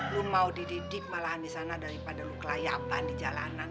lu mau dididik malahan disana daripada lu kelayapan di jalanan